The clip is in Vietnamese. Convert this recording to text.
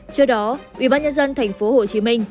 trước đó ubnd tp hcm